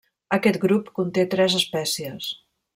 Aquest grup conté tres espècies.